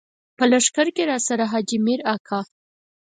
په لښکر کې راسره حاجي مير اکا.